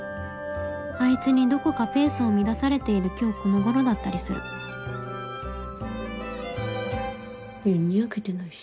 あいつにどこかペースを乱されている今日この頃だったりするいやにやけてないし。